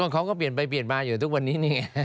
เขาก็เปลี่ยนไปเปลี่ยนมาอยู่ทุกวันนี้นี่ไง